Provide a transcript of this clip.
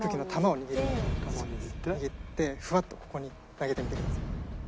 握ってフワッとここに投げてみてください。